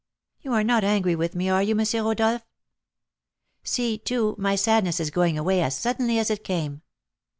You are not angry with me, are you, M. Rodolph? See, too, my sadness is going away as suddenly as it came.